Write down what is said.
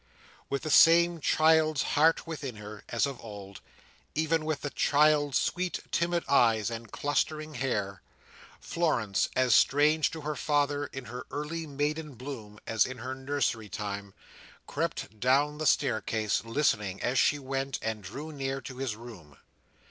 With the same child's heart within her, as of old: even with the child's sweet timid eyes and clustering hair: Florence, as strange to her father in her early maiden bloom, as in her nursery time, crept down the staircase listening as she went, and drew near to his room.